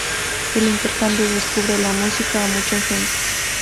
El intercambio descubre la música a mucha gente